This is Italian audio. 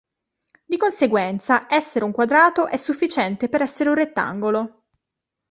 Di conseguenza, "essere un quadrato è sufficiente per essere un rettangolo".